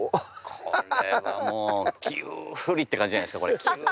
これはもうキュウーリって感じじゃないすかこれ。